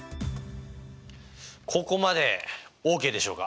ここまでＯＫでしょうか？